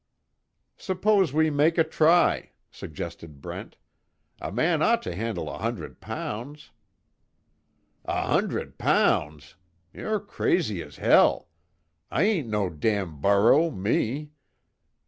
"Suppose we make a try," suggested Brent. "A man ought to handle a hundred pounds " "A hundred pounds! You're crazy as hell! I ain't no damn burro me.